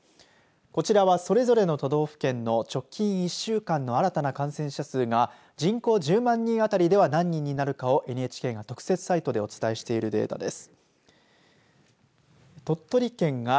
こちらはそれぞれの都道府県の直近１週間の新たな感染者数が人口１０万人当たりでは何人になるかをＮＨＫが特設サイトでお伝えしているデータです。